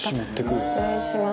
失礼します。